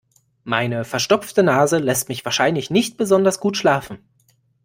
Meine verstopfte Nase lässt mich wahrscheinlich nicht besonders gut schlafen.